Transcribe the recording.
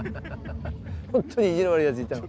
ほんと意地の悪いやついたの。